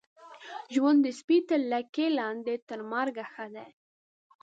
ژوند د سپي تر لکۍ لاندي ، تر مرګ ښه دی.